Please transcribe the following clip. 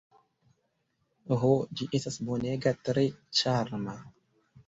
Ho, ĝi estas bonega, tre ĉarma!